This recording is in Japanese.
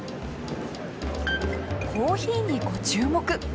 コーヒーにご注目。